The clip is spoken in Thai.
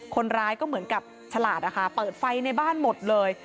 คนร้ายก็เหมือนกับฉลาดนะคะเปิดไฟในบ้านหมดเลย